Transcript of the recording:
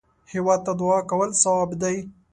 هېواد ته دعا کول ثواب دی